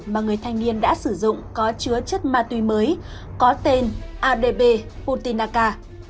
và người thanh niên đã sử dụng có chứa chất ma túy mới có tên adp hutinaca